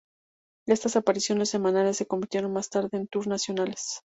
Estas apariciones semanales, se convirtieron más tarde en tour nacionales.